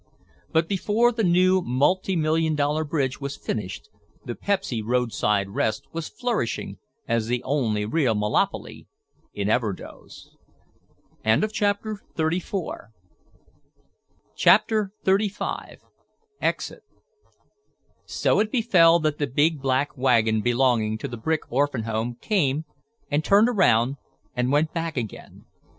But before the new million dollar bridge was finished the Pepsy Roadside Rest was flourishing as the only real "monolopy" in Everdoze. CHAPTER XXXV EXIT So it befell that the big black wagon belonging to the brick orphan home came and turned around and went back again.